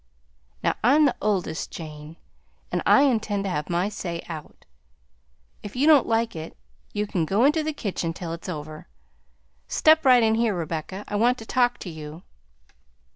Now I'm the oldest, Jane, an' I intend to have my say out; if you don't like it you can go into the kitchen till it's over. Step right in here, Rebecca; I want to talk to you.